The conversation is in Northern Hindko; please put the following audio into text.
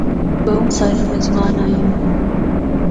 بہوں سارے مزمان آئے ہن۔